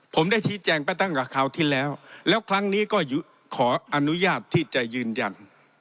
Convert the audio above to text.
ผมได้ชี้แจงไปตั้งแต่คราวที่แล้วแล้วครั้งนี้ก็ขออนุญาตที่จะยืนยัน